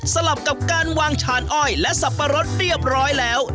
สลับกับการวางฉานอ้อยและสับปะรดเรียบร้อยแล้ว